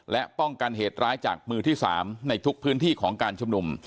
และป้องกันเหตุร้ายจากมือที่๓ในทุกพื้นที่ของการชุมนุม